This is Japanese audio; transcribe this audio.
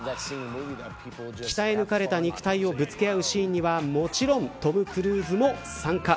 鍛え抜かれた肉体をぶつけ合うシーンにはもちろんトム・クルーズも参加。